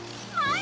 あ！